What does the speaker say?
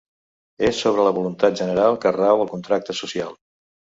És sobre la voluntat general que rau el contracte social.